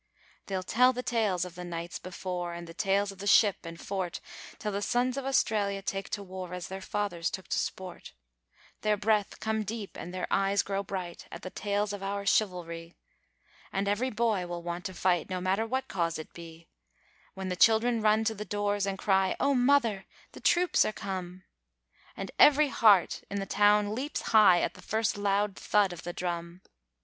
..... They'll tell the tales of the nights before and the tales of the ship and fort Till the sons of Australia take to war as their fathers took to sport, Their breath come deep and their eyes grow bright at the tales of our chivalry, And every boy will want to fight, no matter what cause it be When the children run to the doors and cry: 'Oh, mother, the troops are come!' And every heart in the town leaps high at the first loud thud of the drum.